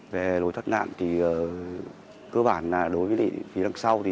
về lối thoát nạn cơ bản là đối với phía đằng sau